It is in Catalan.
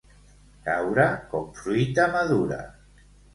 Caure com fruita madura.